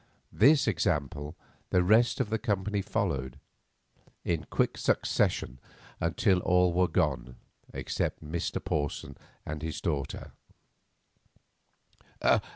This example the rest of the company followed in quick succession until all were gone except Mr. Porson and his daughter.